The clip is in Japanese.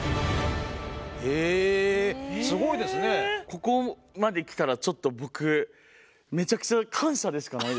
ここまで来たらちょっと僕めちゃくちゃ確かにね。